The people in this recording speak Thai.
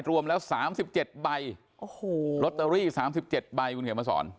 รวมแล้วสามสิบเจ็ดใบโอ้โหรอตเตอรี่สามสิบเจ็ดใบคุณเขียนมาสอน